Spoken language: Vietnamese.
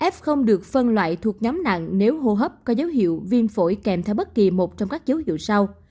f không được phân loại thuộc nhóm nặng nếu hô hấp có dấu hiệu viêm phổi kèm theo bất kỳ một trong các dấu hiệu sau